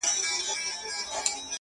ته له قلف دروازې. یو خروار بار باسه.